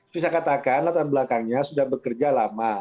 bisa katakan latar belakangnya sudah bekerja lama